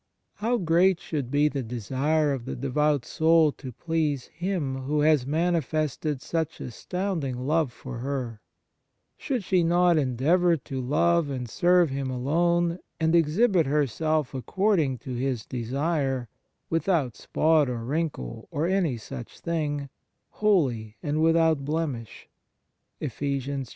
How great should be the desire of the devout soul to please Him who has mani fested such astounding love for her I 1 i Cor. vi. 16. 73 THE MARVELS OF DIVINE GRACE Should she not endeavour to love and serve Him alone, and exhibit herself according to His desire, " without spot or wrinkle or any such thing," 1 holy, and without blemish